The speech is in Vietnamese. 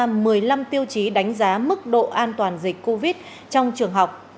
một tiêu chí đánh giá mức độ an toàn dịch covid một mươi chín trong trường học